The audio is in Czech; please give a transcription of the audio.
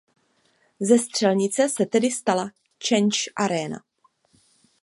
Ze střelnice se tedy stala Chance Arena.